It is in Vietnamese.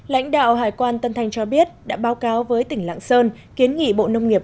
lãnh đạo hải quan tân thanh cho biết đã báo cáo với tỉnh lạng sơn kiến nghị bộ nông nghiệp